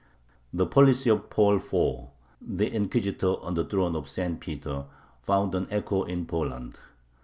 The policy of Paul IV., the inquisitor on the throne of St. Peter, found an echo in Poland.